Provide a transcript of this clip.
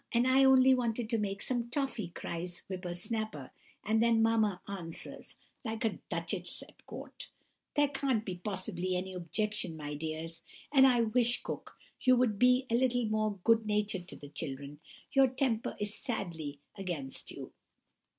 "'And I only wanted to make some toffey!' cries Whipper snapper; and then mamma answers, like a duchess at court:— "'There can't possibly be any objection, my dears; and I wish, Cook, you would he a little more good natured to the children;—your temper is sadly against you!